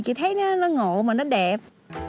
chị thấy nó ngộ mà nó đẹp